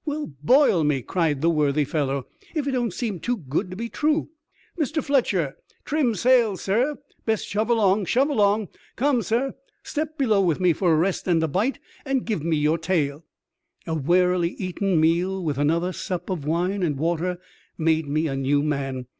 " Well, boil me," cried the worthy fellow, if it don't seem too good to be true. Mr. Fletcher, trim sail, sir. Best shove along — shove along. Come, sir, step below with me for a rest and a bite, and give me your tale." A warily eaten meal with another sup of wine and water made me a new man.